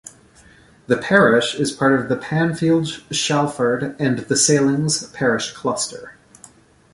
The parish is part of the Panfield, Shalford and The Salings parish cluster.